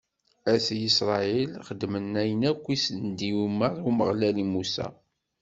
At Isṛayil xedmen ayen akk i s-d-yumeṛ Umeɣlal i Musa.